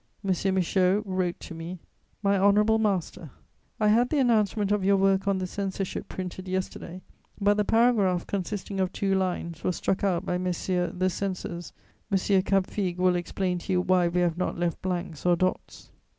M. Michaud wrote to me: "MY HONORABLE MASTER, "I had the announcement of your work on the censorship printed yesterday, but the paragraph, consisting of two lines, was struck out by messieurs the censors. M. Capefigue will explain to you why we have not left blanks or dots.